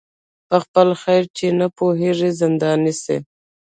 په خپل خیر چي نه پوهیږي زنداني سي